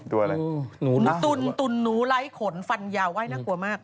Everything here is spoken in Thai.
ตุลตุลหนูไร้ขนฟันยาวไหว้น่ากลัวมาก